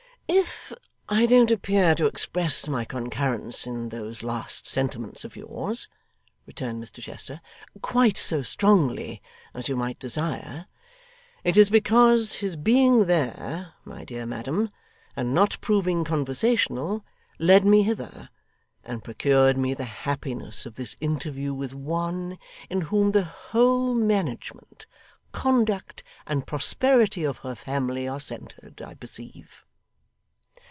'If I don't appear to express my concurrence in those last sentiments of yours,' returned Mr Chester, 'quite so strongly as you might desire, it is because his being there, my dear madam, and not proving conversational, led me hither, and procured me the happiness of this interview with one, in whom the whole management, conduct, and prosperity of her family are centred, I perceive.